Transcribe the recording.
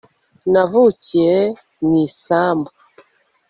Navukiye mu isambu